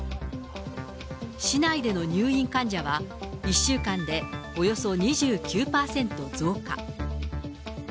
市内での入院患者は１週間でおよそ２９％増加。